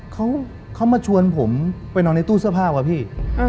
เขามาชวนผมไปนอนในตู้เสื้อผ้าว่ะพี่